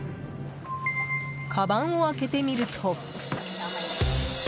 かばんを開けてみると。